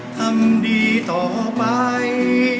ทำดีต่อไป